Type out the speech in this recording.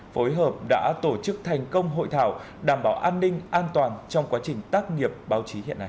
phối hợp đã tổ chức thành công hội thảo đảm bảo an ninh an toàn trong quá trình tác nghiệp báo chí hiện nay